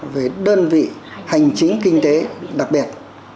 về đơn vị hành chính kinh tế đặc biệt